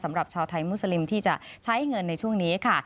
สำหรับชาวไทยมุสลิมที่จะใช้เงินในช่วงนี้ค่ะ